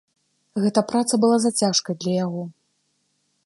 Гэта праца была зацяжкай для яго.